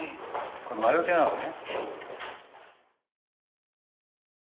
これ魔よけなのね。